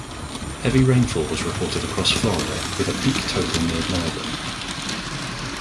Heavy rainfall was reported across Florida, with a peak total of near Melbourne.